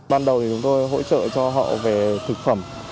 ban đầu thì chúng tôi hỗ trợ cho họ về thực phẩm